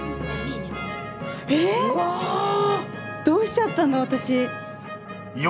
どうしちゃったんだ私。